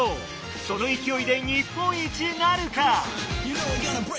その勢いで日本一なるか？